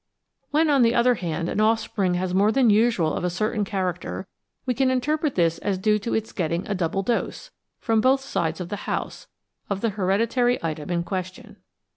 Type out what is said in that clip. When, on the other hand, an offspring has more than usual of a certain character we can interpret this as due to its getting a double dose — from both sides of the house — of the hereditary item in question.